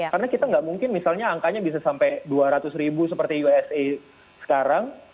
karena kita nggak mungkin misalnya angkanya bisa sampai dua ratus ribu seperti usa sekarang